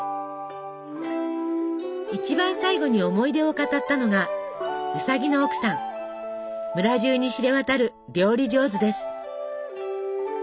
一番最後に思い出を語ったのが村中に知れ渡る料理上手です。